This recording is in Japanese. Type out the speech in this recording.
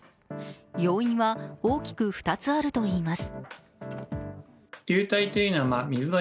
要因は大きく２つあるといいます。